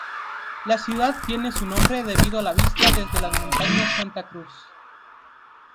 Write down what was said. La ciudad tiene su nombre debido a la vista desde las Montañas Santa Cruz.